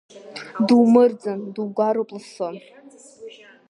Думырӡын, дугароуп лассы.